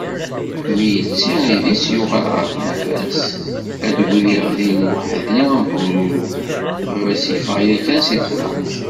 Mi yetti idis yuɣal ɣer tnafa-s ad d-griɣ din waḥdi am bururu. Baba-s yeffeɣ yakkan seg texxamt.